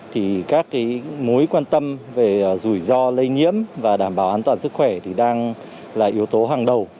thì các mối quan tâm về rủi ro lây nhiễm và đảm bảo an toàn sức khỏe thì đang là yếu tố hàng đầu